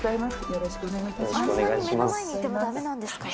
よろしくお願いします。